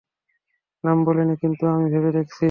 নাম বলেনি, কিন্তু আমি ভেবে দেখছি।